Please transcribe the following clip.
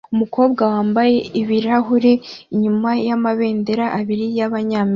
Umukobwa wambaye ibirahuri inyuma yamabendera abiri yabanyamerika